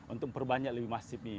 untuk perbanyak lebih masif nih